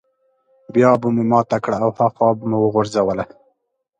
بيا به مو ماته کړه او هاخوا به مو وغورځوله.